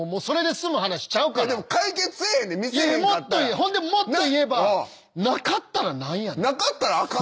ほんでもっと言えばなかったら何やねん？